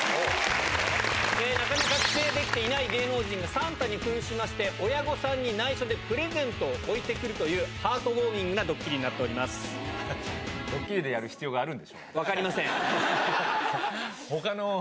なかなか帰省できていない芸能人がサンタにふんしまして、親御さんにないしょでプレゼントを置いてくるというハートウォードッキリでやる必要があるん